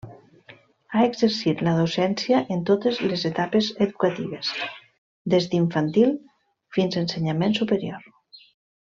Ha exercit la docència en totes les etapes educatives, des d’infantil fins a ensenyament superior.